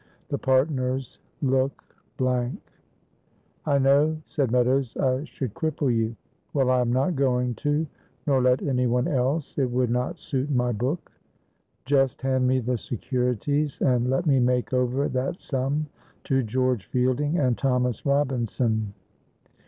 The partners look blank. "I know," said Meadows, "I should cripple you. Well, I am not going to, nor let any one else it would not suit my book. Just hand me the securities and let me make over that sum to George Fielding and Thomas Robinson.